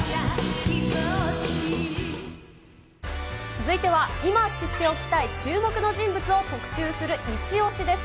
続いては、今知っておきたい注目の人物を特集するイチオシ！です。